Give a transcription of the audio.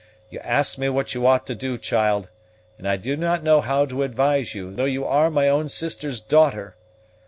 You ask me what you ought to do, child, and I do not know how to advise you, though you are my own sister's daughter!